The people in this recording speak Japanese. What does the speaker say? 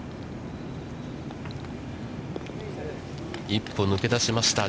一歩、抜け出しました。